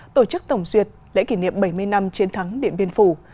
tổ chức tổng duyệt lễ kỷ niệm bảy mươi năm chiến thắng điện biên phủ